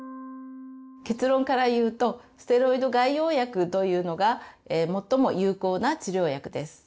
結論から言うとステロイド外用薬というのが最も有効な治療薬です。